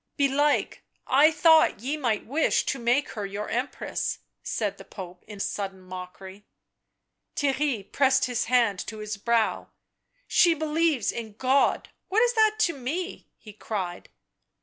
" Belike I thought ye might wish to make her your Empress," said the Pope in sudden mockery. Theirry pressed his hand to his brow. " She believes in God ... what is such to me?" he cried.